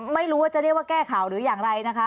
ไม่รู้ว่าจะเรียกว่าแก้ข่าวหรืออย่างไรนะคะ